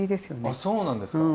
あそうなんですか。